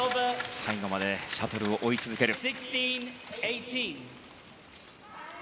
最後までシャトルを追い続ける。